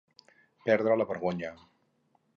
Perdre la vergonya.